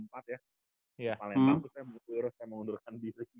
paling bagusnya terus saya mengundurkan biso